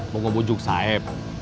mau ngebujuk sahib